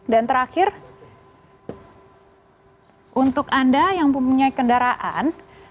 dan terakhir untuk anda yang mempunyai kendaraan